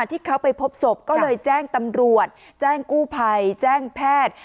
ที่เขาไปพบศพก็เลยแจ้งตำรวจแจ้งกู้ภัยแจ้งแพทย์